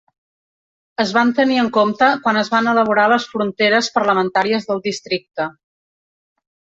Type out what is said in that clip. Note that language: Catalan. Es van tenir en compte quan es van elaborar les fronteres parlamentàries del districte.